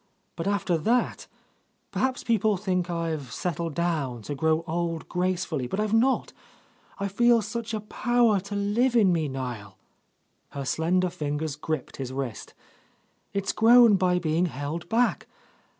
But after that ... Perhaps people think I've settled down to grow old gracefully, but I've not. I feel such a power to live in me, Niel." Her slender fingers gripped his wrist. "It's grown by being held back.